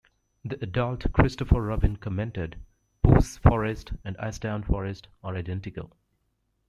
The adult Christopher Robin commented: "Pooh's Forest and Ashdown Forest are identical".